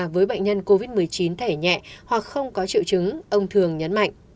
với bệnh nhân covid một mươi chín thẻ nhẹ hoặc không có triệu chứng ông thường nhấn mạnh